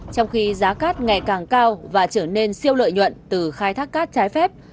trong khi giá cát ngày càng cao và trở nên siêu lợi nhuận từ khai thác cát trái phép